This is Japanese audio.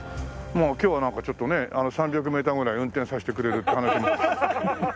今日はなんかちょっとね３００メーターぐらい運転させてくれるって話も。